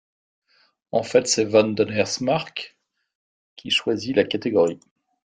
En fait, c'est Von Donnersmarck qui choisit la catégorie.